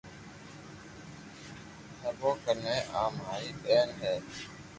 ڪون ڪيي آ ماري ٻين ھي